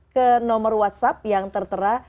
ke nomor whatsapp yang tertera